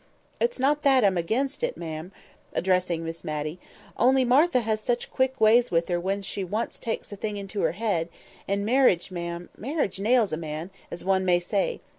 It's not that I'm against it, ma'am" (addressing Miss Matty), "only Martha has such quick ways with her when once she takes a thing into her head; and marriage, ma'am—marriage nails a man, as one may say.